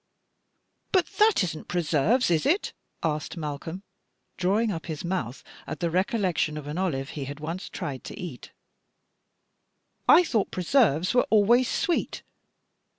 "But that isn't preserves, is it?" asked Malcolm, drawing up his mouth at the recollection of an olive he had once tried to eat. "I thought preserves were always sweet."